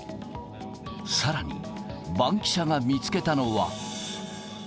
さらにバンキシャが見つけたのは。